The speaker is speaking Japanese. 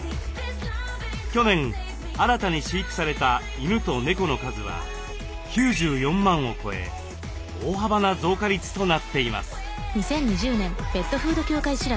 去年新たに飼育された犬と猫の数は９４万を超え大幅な増加率となっています。